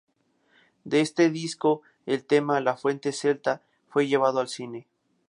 De este disco el tema "La fuente Celta" fue llevado al cine.